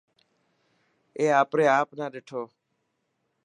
اي آپري آپ نا ڏٺو.